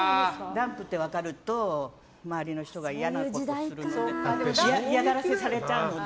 ダンプって分かると周りの人が嫌なことする嫌がらせされちゃうので。